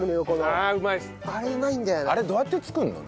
あれどうやって作るの？